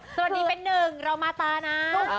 สวัสดีเป็นหนึ่งเรามาตานะ